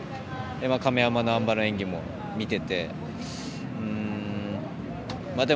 亀山のあん馬の演技も見てて。